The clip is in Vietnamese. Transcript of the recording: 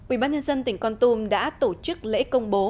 ubnd tỉnh con tum đã tổ chức lễ công bố